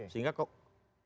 pandangannya komprehensif gitu